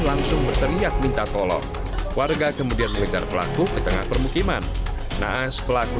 langsung berteriak minta tolong warga kemudian mengejar pelaku ke tengah permukiman naas pelaku